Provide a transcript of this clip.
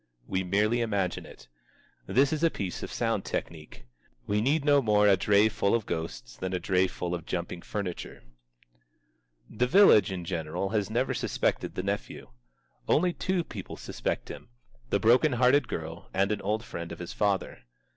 We merely imagine it. This is a piece of sound technique. We no more need a dray full of ghosts than a dray full of jumping furniture. The village in general has never suspected the nephew. Only two people suspect him: the broken hearted girl and an old friend of his father.